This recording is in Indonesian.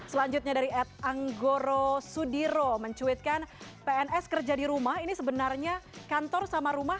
selanjutnya dari ed anggoro sudiro mencuitkan pns kerja di rumah ini sebenarnya kantor sama rumah